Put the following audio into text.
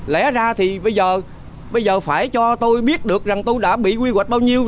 lẽ ra thì bây giờ phải cho tôi biết được rằng tôi đã bị quy hoạch bao nhiêu